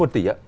dưới một tỷ ạ